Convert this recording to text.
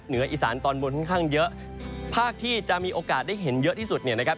เหนืออีสานตอนบนค่อนข้างเยอะภาคที่จะมีโอกาสได้เห็นเยอะที่สุดเนี่ยนะครับ